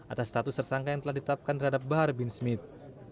atas status tersangka yang telah ditetapkan terhadap bahar bin smith